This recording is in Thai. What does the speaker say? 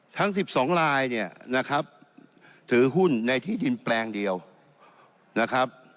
ทั้ง๑๒ลายเนี่ยนะครับถือหุ้นในที่ดินแปลงเดียวนะครับ